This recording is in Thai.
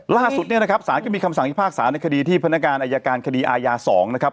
ล่าสุดเนี่ยนะครับสารก็มีคำสั่งพิพากษาในคดีที่พนักงานอายการคดีอาญา๒นะครับ